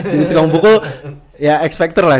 jadi tukang pukul ya x factor lah